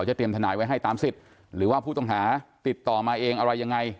เตรียมทนายไว้ให้ตามสิทธิ์หรือว่าผู้ต้องหาติดต่อมาเองอะไรยังไง